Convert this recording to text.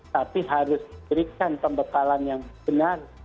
tapi harus diberikan pembekalan yang benar